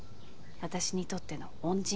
私にとっての恩人。